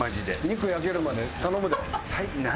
肉焼けるまで頼むで。